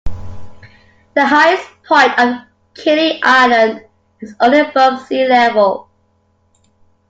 The highest point of Kili Island is only above sea level.